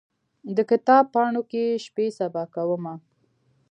د کتاب پاڼو کې شپې سبا کومه